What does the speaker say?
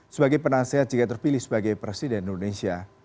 sebagai penasehat jika terpilih sebagai presiden indonesia